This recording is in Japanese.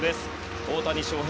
大谷翔平